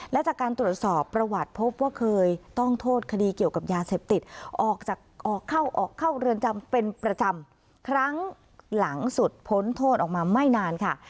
และจากการตรวจสอบประวัติพบว่าเคยต้องโทษคดีเกี่ยวกับยาเสพติดออกจากออกเข้าออกเข้าเรือนจำเป็นประจำครั้งหลังสุดพ้นโทษออกมาไม่นานค่ะ